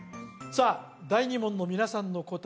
さあ第２問の皆さんの答え